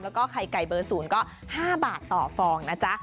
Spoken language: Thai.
แล้วก็ไข่ไก่เบอร์๐ก็๕บาทต่อฟองนะจ๊ะ